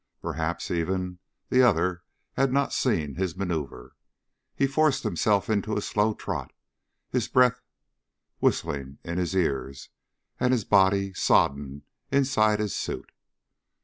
Perhaps, even, the other had not seen his maneuver. He forced himself into a slow trot, his breath whistling in his ears and his body sodden inside his suit.